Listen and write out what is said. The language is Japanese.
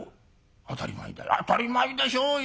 「当たり前だよ当たり前でしょうよ。